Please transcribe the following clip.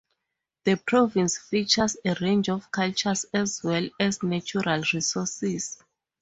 The province features a range of cultures as well as natural resources.